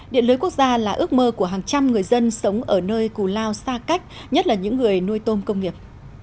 điện lưới quốc gia là ước mơ của hàng trăm người dân sống ở nơi cù lao xa cách nhất là những người nuôi tôm công nghiệp